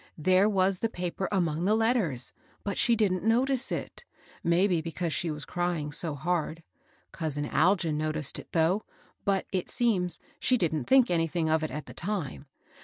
There was the paper among the letters ; but she didn't notice it ; maybe because she was crying so hard. Cousin Algin noticed it though ; but, it seems^ eha ^&sv\. 412 MABEL BOSS. think anything of it at the time.